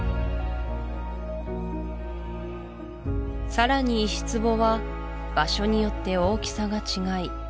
さらに石壺は場所によって大きさが違い